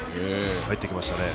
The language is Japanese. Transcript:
入ってきましたね。